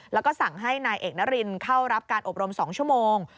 แล้วก็สั่งให้นายเอกนรินเข้ารับการอบรม๒ชั่วโมง